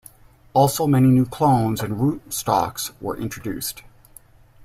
Also many new clones and rootstocks were introduced.